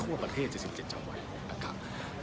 ทั่วประเทศ๗๗จังหวัดนะครับ